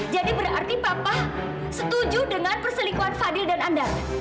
jadi berarti papa setuju dengan perselingkuhan fadil dan andara